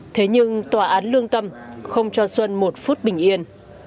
thế nhưng tòa án lương tâm không cho xuân một phút bình yên